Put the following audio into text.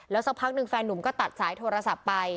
สักพักหนึ่งแฟนหนุ่มก็ตัดสายโทรศัพท์ไป